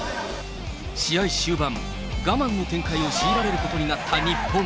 試合終盤、我慢の展開を強いられることになった日本。